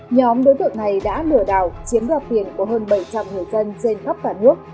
nhóm đối tượng này đã lừa đảo chiếm đoạt tiền của hơn bảy trăm linh người dân trên khắp cả nước